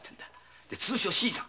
通称新さん。